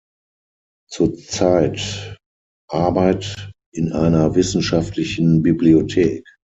Zur Zeit Arbeit in einer wissenschaftlichen Bibliothek.